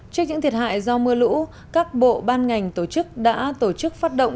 trước những thiệt hại do mưa lũ các bộ ban ngành tổ chức đã tổ chức phát động